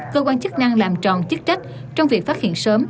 cơ quan chức năng làm tròn chức trách trong việc phát hiện sớm